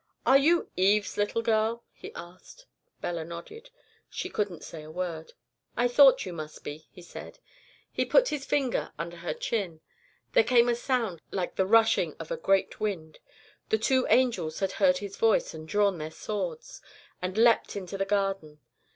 "'Are you Eve's little girl?' He asked. "Bella nodded. She couldn't say a word. "'I thought you must be,' He said. He put His finger under her chin. There came a sound like the rushing of a great wind. The two angels had heard His voice, and drawn their swords, and leapt into the Garden.